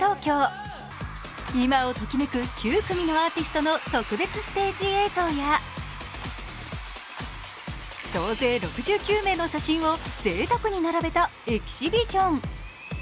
今をときめく９組のアーティストの特別ステージ映像や総勢６９名の写真をぜいたくに並べたエキシビジョン。